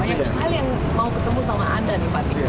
banyak sekali yang mau ketemu sama anda nih fatih